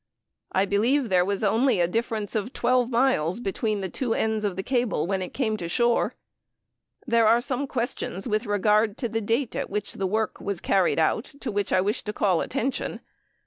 I believe there was only a difference of twelve miles between the two ends of the cable when it came to the shore. There are some questions with regard to the date at which the work was carried out to which I wish to call attention.